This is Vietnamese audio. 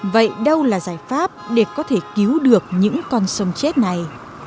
vậy đâu là giải pháp để có thể cứu được những con sông chết này